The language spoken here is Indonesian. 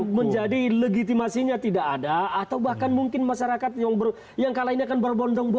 ini kan menjadi legitimasinya tidak ada atau bahkan mungkin masyarakat yang kalainya akan berbondong bondong